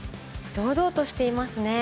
堂々としていますね。